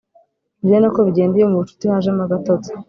Ibyo ni na ko bigenda iyo mu bucuti hajemo agatotsi